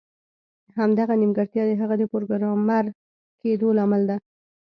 همدغه نیمګړتیا د هغه د پروګرامر کیدو لامل ده